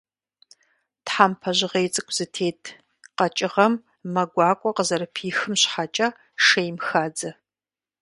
Тхьэмпэ жьгъей цӏыкӏу зытет къэкӏыгъэм мэ гуакӏуэ къызэрыпихым щхьэкӏэ, шейм хадзэ.